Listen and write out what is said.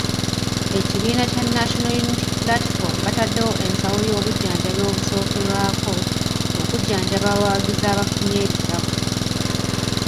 Ekibiina kya National Unity Platform bataddewo ensawo y'obujjanjabi obusookerwako, okujjanjaba abawagizi abafunye ebisago.